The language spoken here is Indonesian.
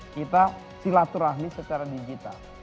kita silaturahmi secara digital